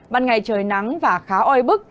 ban ngày trời nắng và khá oi bức